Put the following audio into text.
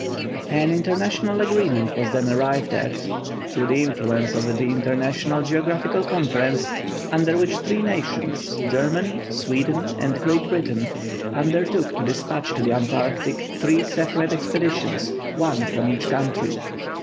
An international agreement was then arrived at, through the influence of the International Geographical Conference, under which three nations, Germany, Sweden, and Great Britain, undertook to despatch to the Antarctic, three separate expeditions, one from each country.